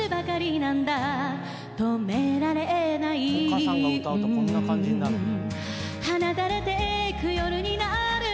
丘さんが歌うとこんな感じになるんだ。